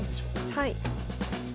はい。